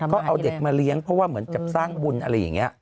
ก็เอาเด็กมาเลี้ยงเพราะว่าเหมือนกับสร้างบุญอะไรอย่างนี้